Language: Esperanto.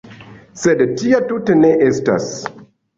Sed tia tute ne estas.